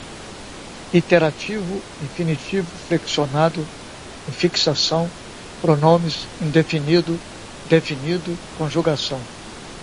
iterativo, infinitivo flexionado, infixação, pronomes, indefinido, definido, conjugação